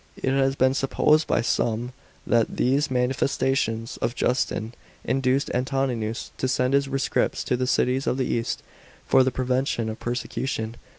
It has been supposed by some that these manifestoes of Justin induced Antoninus to send his rescripts to the cities of the east, for the prevention of persecution.